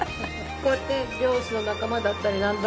こうやって漁師の仲間だったり